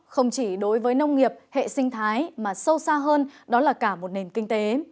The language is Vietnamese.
không chỉ đối với nông nghiệp hệ sinh thái mà sâu xa hơn đó là cả một nền kinh tế